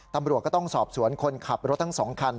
ตำรวจก็ต้องสอบสวนคนขับรถทั้ง๒คัน